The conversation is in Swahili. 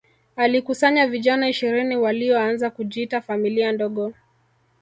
alikusanya vijana ishirini walioanza kujiita familia ndogo